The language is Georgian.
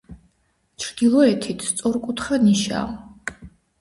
ჩრდილოეთით სწორკუთხა ნიშაა.